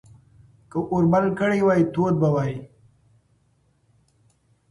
که اور بل کړی وای، تود به وای.